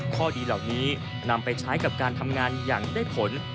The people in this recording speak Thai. ข้อดีเหล่านี้นำไปใช้กับการทำงานอย่างได้ผล